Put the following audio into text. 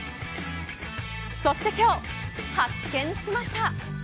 そして今日、発見しました。